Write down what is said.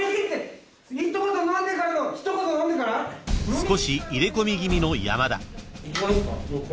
［少し入れ込み気味の山田］